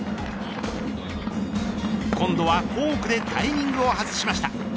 今度はフォークでタイミングを外しました。